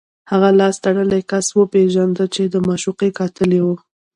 هغه لاس تړلی کس وپېژنده چې د معشوقې قاتل یې و